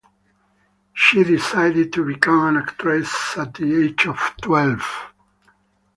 She decided to become an actress at the age of twelve.